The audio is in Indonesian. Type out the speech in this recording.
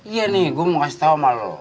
iya nih gue mau kasih tau ma lo